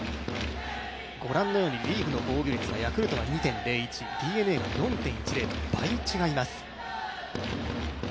リーグの防御率がヤクルトは２．０１、ＤｅＮＡが４．１０と倍違います。